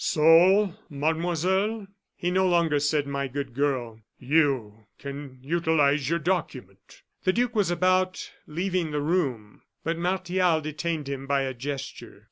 So, Mademoiselle" he no longer said "my good girl" "you can utilize your document." The duke was about leaving the room, but Martial detained him by a gesture.